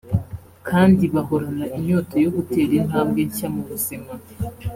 kandi bahorana inyota yo gutera intambwe nshya mu buzima